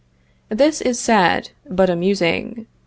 This is sad, but amusing.